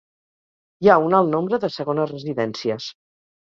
Hi ha un alt nombre de segones residències.